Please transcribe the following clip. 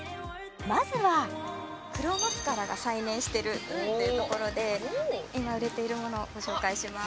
まずは黒マスカラが再燃してるっていうところで今売れているものをご紹介します